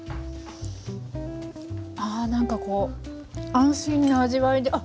あなんかこう安心な味わいであっ！